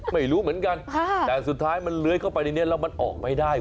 ไม่รู้เหมือนกันแต่สุดท้ายมันเลื้อยเข้าไปในนี้แล้วมันออกไม่ได้